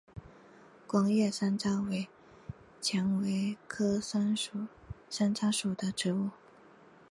光叶山楂为蔷薇科山楂属的植物。